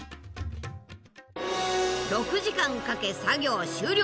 ６時間かけ作業終了！